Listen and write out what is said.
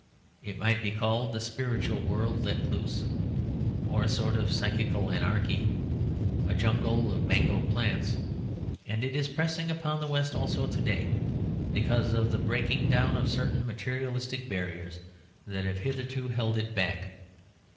It might be called the spiritual world let loose; or a sort of psychical anarchy; a jungle of mango plants. And it is pressing upon the West also to day because of the breaking down of certain materialistic barriers that have hitherto held it back.